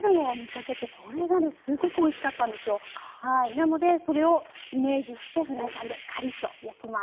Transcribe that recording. なのでそれをイメージしてフライパンでカリッと焼きます。